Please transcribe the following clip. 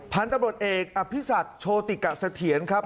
พันธุ์ตำรวจเอกอภิษักโชติกะเสถียรครับ